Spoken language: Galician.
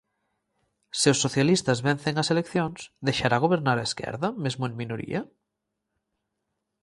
Se os socialistas vencen as eleccións, deixará gobernar a esquerda, mesmo en minoria?